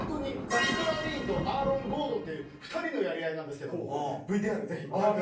ザック・ラビーンとアーロン・ゴードンっていう２人のやり合いなんですけどもＶＴＲぜひご覧ください。